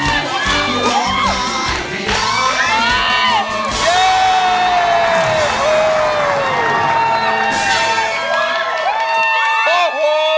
ไม่ง่าเชื่อ